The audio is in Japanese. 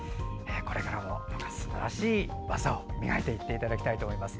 これからもすばらしい技を磨いていっていただきたいと思います。